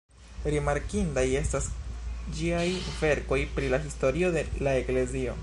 Rimarkindaj estas ĝiaj verkoj pri la historio de la Eklezio.